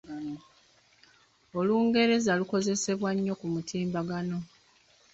Olungereza lukozesebwa nnyo ku mutimbagano.